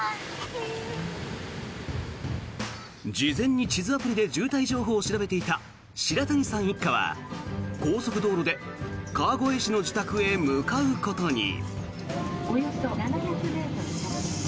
事前に地図アプリで渋滞情報を調べていた白谷さん一家は高速道路で川越市の自宅へ向かうことに。